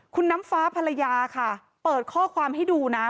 คุณน้ำฟ้าภรรยาค่ะเปิดข้อความให้ดูนะ